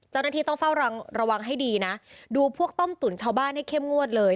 เจ้าหน้าที่ต้องเฝ้าระวังให้ดีนะดูพวกต้มตุ๋นชาวบ้านให้เข้มงวดเลย